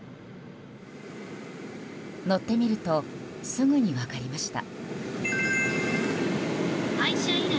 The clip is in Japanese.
乗ってみるとすぐに分かりました。